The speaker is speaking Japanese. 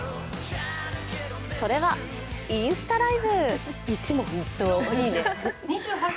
それはインスタライブ。